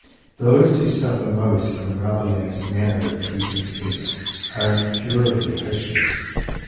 Those who suffer most from Rabelais' manner of treating sex are the incurably vicious.